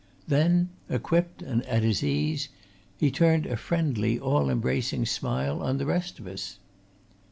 Then, equipped and at his ease, he turned a friendly, all embracing smile on the rest of us.